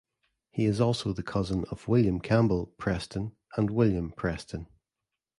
He is also the cousin of William Campbell Preston and William Preston.